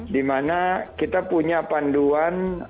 dimana kita punya panduan